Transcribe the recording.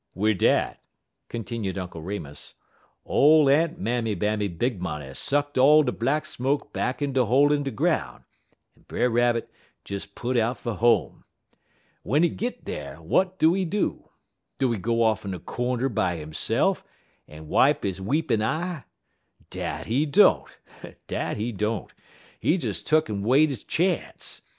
"Wid dat," continued Uncle Remus, "ole Aunt Mammy Bammy Big Money sucked all de black smoke back in de hole in de groun', and Brer Rabbit des put out fer home. W'en he git dar, w'at do he do? Do he go off in a cornder by hisse'f, en wipe he weepin' eye? Dat he don't dat he don't. He des tuck'n wait he chance.